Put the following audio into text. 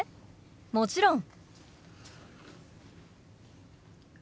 もちろん！